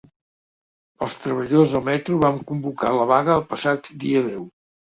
Els treballadors del metro van convocar la vaga el passat dia deu.